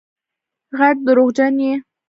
غټ دروغجن یې